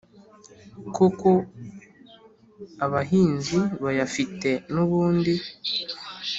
koko abahinzi bayafite n’ubundi